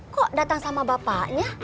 kok datang sama bapaknya